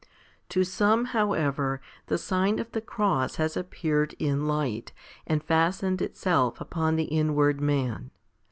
3. To some, however, the sign of the cross has appeared in light and fastened itself upon the inward man.